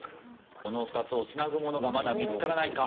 この２つをつなぐものがまだ見つからないか。